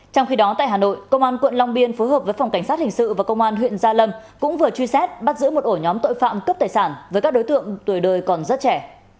trong khi đó tại hà nội công an quận long biên phối hợp với phòng cảnh sát hình sự và công an huyện gia lâm cũng vừa truy xét bắt giữ một ổ nhóm tội phạm cướp tài sản với các đối tượng tuổi đời còn rất trẻ